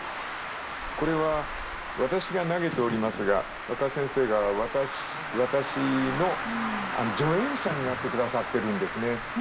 これは私が投げておりますが若先生が私の助演者になってくださってるんですね。